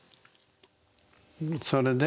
それで？